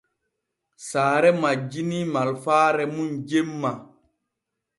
Saare majjinii malfaare mum jemma.